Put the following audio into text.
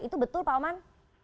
itu betul pak oman